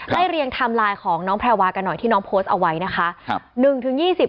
เรียงไทม์ไลน์ของน้องแพรวากันหน่อยที่น้องโพสต์เอาไว้นะคะ